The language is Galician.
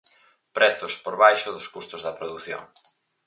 Prezos por baixo dos custos da produción.